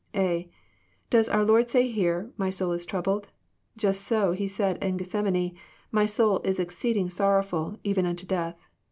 (a) Does our Lord say here, " My soul is troubled"? Just BO He said in Gethsemane, '' My soul is exceeding sorrowfUl, even nnto death."